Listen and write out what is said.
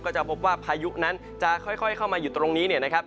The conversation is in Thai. จะพบว่าพายุนั้นจะค่อยเข้ามาอยู่ตรงนี้เนี่ยนะครับ